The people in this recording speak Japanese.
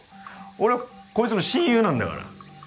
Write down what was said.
俺はこいつの親友なんだから。